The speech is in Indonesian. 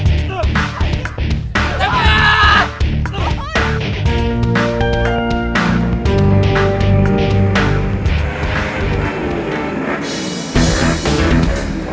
kalo disini kayak pangkat hidung